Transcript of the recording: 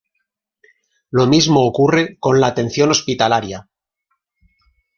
Lo mismo ocurre con la atención hospitalaria.